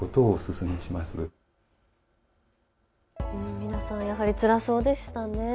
皆さん、やはりつらそうでしたね。